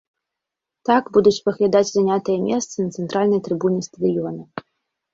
Так будуць выглядаць занятыя месцы на цэнтральнай трыбуне стадыёна.